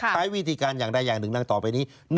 ใช้วิธีการอย่างใดอย่างหนึ่งดังต่อไปนี้